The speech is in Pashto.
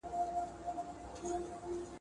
آیا په ښوونځیو کي ترافیکي قوانین تدریس کیږي؟